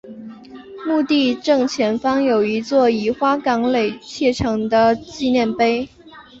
墓地的正前方有一座以花岗岩砌成的纪念碑。